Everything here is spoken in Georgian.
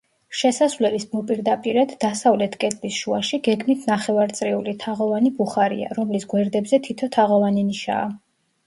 შესასვლელის მოპირდაპირედ, დასავლეთ კედლის შუაში, გეგმით ნახევარწრიული, თაღოვანი ბუხარია, რომლის გვერდებზე თითო თაღოვანი ნიშაა.